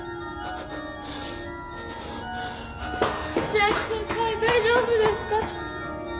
千秋先輩大丈夫ですか？